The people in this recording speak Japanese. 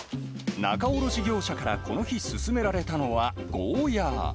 仲卸業者からこの日、勧められたのは、ゴーヤ。